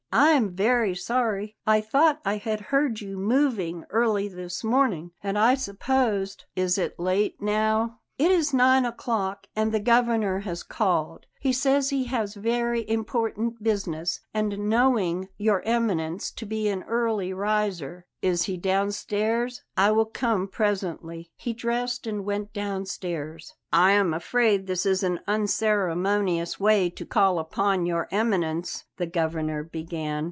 "I am very sorry; I thought I had heard you moving early this morning, and I supposed " "Is it late now?" "It is nine o'clock, and the Governor has called. He says he has very important business, and knowing Your Eminence to be an early riser " "Is he downstairs? I will come presently." He dressed and went downstairs. "I am afraid this is an unceremonious way to call upon Your Eminence," the Governor began.